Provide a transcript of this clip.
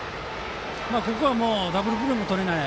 ここは、ダブルプレーもとれない。